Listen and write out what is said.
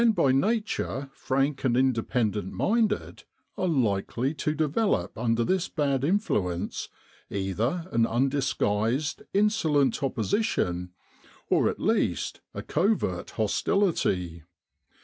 Men by nature frank and independent minded, are likely to develop under this bad influence either an undisguised, insolent opposition, or at least a covert hostility.